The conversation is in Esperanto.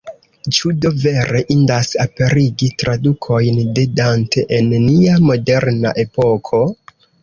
Ĉu do vere indas aperigi tradukojn de Dante en nia moderna epoko?